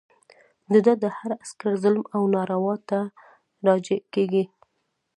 د ده د هر عسکر ظلم او ناروا ده ته راجع کېږي.